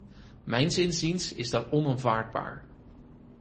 Mijns inziens is dat onaanvaardbaar.